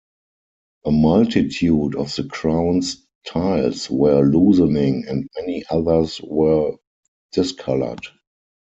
A multitude of the crown's tiles were loosening and many others were discolored.